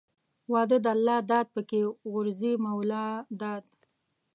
واده د الله داد پکښې غورځي مولاداد.